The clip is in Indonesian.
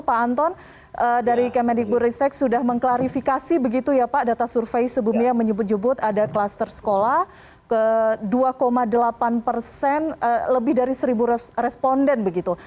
pak anton dari kemendikbud ristek sudah mengklarifikasi data survei sebelumnya yang menyebut sebut ada klaster sekolah ke dua delapan persen lebih dari seribu responden